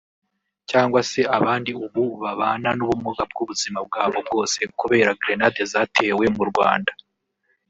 cyangwa se abandi ubu babana n’ubumuga bw’ubuzima bwabo bwose kubera grenade zatewe mu Rwanda